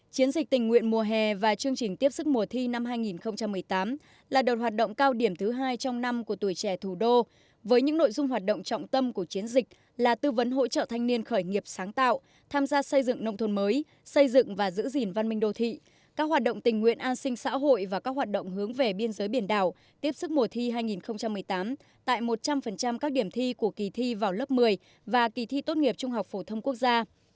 chiến dịch tình nguyện mùa hè và chương trình tiếp sức mùa thi năm hai nghìn một mươi tám là đợt hoạt động cao điểm thứ hai trong năm của tuổi trẻ thủ đô với những nội dung hoạt động trọng tâm của chiến dịch là tư vấn hỗ trợ thanh niên khởi nghiệp sáng tạo tham gia xây dựng nông thôn mới xây dựng và giữ gìn văn minh đô thị các hoạt động tình nguyện an sinh xã hội và các hoạt động hướng về biên giới biển đảo tiếp sức mùa thi hai nghìn một mươi tám tại một trăm linh các điểm thi của kỳ thi vào lớp một mươi và kỳ thi tốt nghiệp trung học phổ thông quốc gia